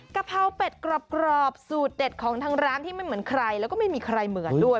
กะเพราเป็ดกรอบสูตรเด็ดของทางร้านที่ไม่เหมือนใครแล้วก็ไม่มีใครเหมือนด้วย